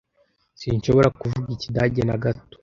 Sinshobora kuvuga Ikidage na gato.